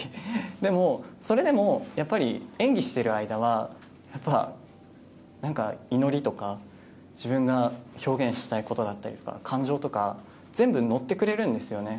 でも、それでもやっぱり演技している間は祈りとか自分が表現したいことだったりとか感情とか全部乗ってくれるんですよね